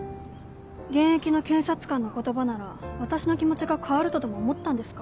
現役の検察官の言葉なら私の気持ちが変わるとでも思ったんですか。